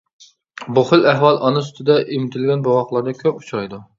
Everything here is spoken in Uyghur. بۇ خىل ئەھۋال ئانا سۈتىدە ئېمىتىلگەن بوۋاقلاردا كۆپ ئۇچرايدۇ.